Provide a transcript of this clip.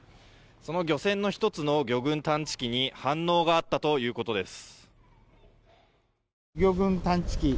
その漁船の１つの魚群探知機に反応があったということです。